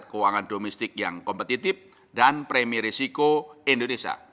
dan perusahaan domestik yang kompetitif dan premi risiko indonesia